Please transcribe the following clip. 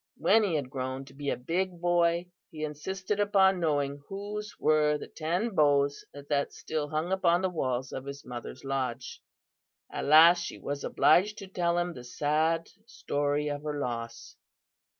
When he had grown to be a big boy, he insisted upon knowing whose were the ten bows that still hung upon the walls of his mother's lodge. "At last she was obliged to tell him the sad story of her loss.